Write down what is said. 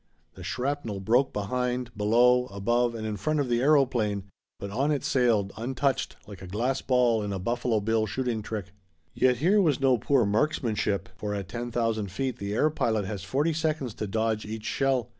The shrapnel broke behind, below, above and in front of the aeroplane, but on it sailed, untouched, like a glass ball in a Buffalo Bill shooting trick. Yet here was no poor marksmanship, for at ten thousand feet the air pilot has forty seconds to dodge each shell.